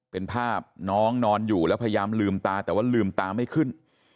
เป็นภาพน้องนอนอยู่แล้วพยายามลืมตาแต่ว่าลืมตาไม่ขึ้น